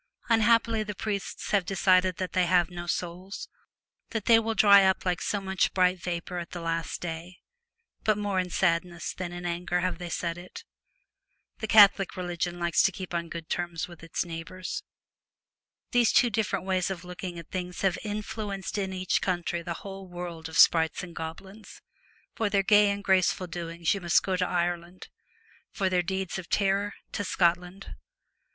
Unhappily the priests have decided that they have no souls, that they will dry up like so much bright vapour at the last day ; but more in sadness than in anger have they said it. The Catholic religion likes to keep on good terms with its neighbours. These two different ways of looking at things have influenced in each country the whole world of sprites and goblins. For their gay and graceful doings you 179 The must go to Ireland ; for their deeds of Celtic . Twilight, terror to Scotland.